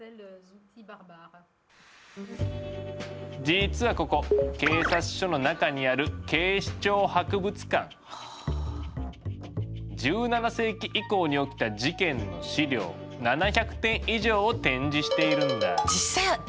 実はここ警察署の中にある１７世紀以降に起きた事件の資料７００点以上を展示しているんだ。